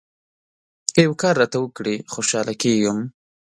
که یو کار راته وکړې ، خوشاله کېږم.